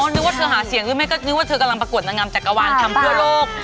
นึกว่าเธอหาเสียงหรือไม่ก็นึกว่าเธอกำลังประกวดนางงามจักรวาลทำเพื่อโลก